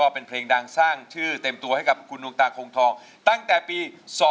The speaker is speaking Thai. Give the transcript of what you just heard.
เป็นเพลงดังสร้างชื่อเต็มตัวให้กับคุณดวงตาคงทองตั้งแต่ปี๒๕๖